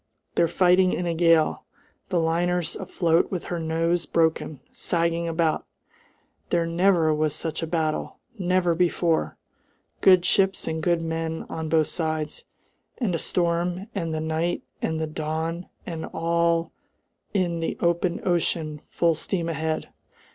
They're fighting in a gale. The liner's afloat with her nose broken, sagging about! There never was such a battle! never before! Good ships and good men on both sides, and a storm and the night and the dawn and all in the open ocean full steam ahead!